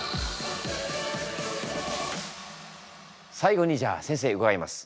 最後にじゃあ先生にうかがいます。